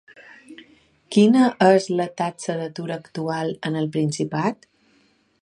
Quina és la taxa d'atur actual en el Principat?